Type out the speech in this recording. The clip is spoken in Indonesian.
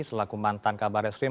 selaku mantan kabar stream